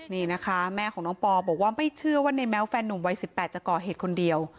นี่นะคะแม่ของน้องปอบอกว่าไม่เชื่อว่าในแม้วแฟนหนุ่มวัย๑๘จะก่อเหตุคนเดียว